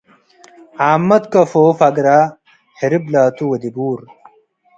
ዓመት ከአፎ ፈግረ - ህርብ ላቱ ወድቡር